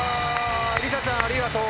りさちゃんありがとう。